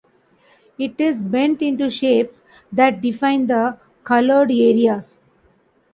It is bent into shapes that define the colored areas.